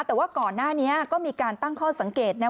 แต่ว่าก่อนหน้านี้ก็มีการตั้งข้อสังเกตนะ